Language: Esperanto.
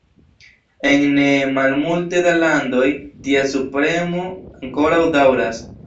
En ne malmulte da landoj, tia subpremo ankoraŭ daŭras.